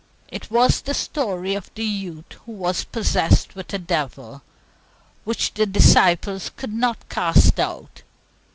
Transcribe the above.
It was the story of the youth who was possessed with a devil, which the disciples could not cast out.